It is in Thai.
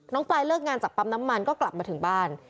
ปลายเลิกงานจากปั๊มน้ำมันก็กลับมาถึงบ้าน